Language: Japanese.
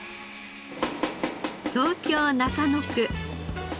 東京中野区。